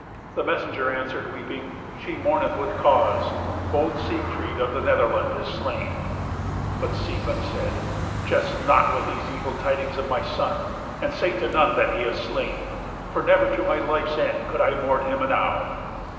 The messenger answered, weeping, "She mourneth with cause. Bold Siegfried of the Netherland is slain." But Siegmund said, "Jest not with these evil tidings of my son, and say to none that he is slain; for never to my life's end could I mourn him enow."